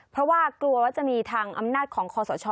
เพราะว่ากลัวว่าจะมีทางอำนาจของคอสช